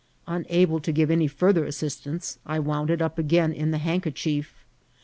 Unable to 'give any farther assistance, I wound it up again in the handkerchief.